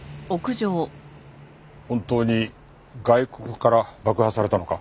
本当に外国から爆破されたのか？